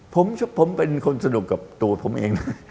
ผมเป็นคนสนุกกับตัวผมเองนะ